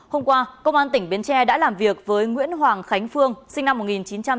hôm qua công an tỉnh bến tre đã làm việc với nguyễn hoàng khánh phương sinh năm một nghìn chín trăm tám mươi